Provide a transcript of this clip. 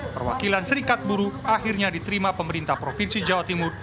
perwakilan serikat buru akhirnya diterima pemerintah provinsi jawa timur